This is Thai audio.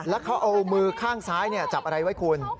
แล้วเขาเอามือข้างซ้ายจับอะไรไว้คุณ